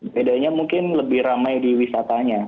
bedanya mungkin lebih ramai di wisatanya